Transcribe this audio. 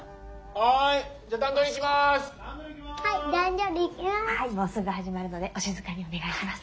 はいもうすぐ始まるのでお静かにお願いします。